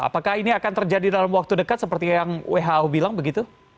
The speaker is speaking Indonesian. apakah ini akan terjadi dalam waktu dekat seperti yang who bilang begitu